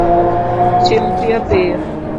Tim piyo piyo